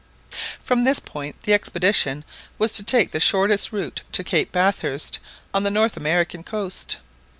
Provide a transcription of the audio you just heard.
From this point the expedition was to take the shortest route to Cape Bathurst, on the North American coast.